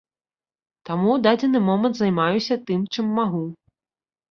Таму ў дадзены момант займаюся тым, чым магу.